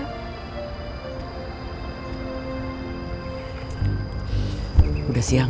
dia udah siang